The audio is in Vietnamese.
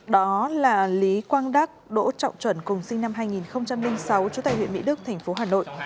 đó là lý quang đắc đỗ trọng chuẩn cùng sinh năm hai nghìn sáu chú tài huyện mỹ đức tp hà nội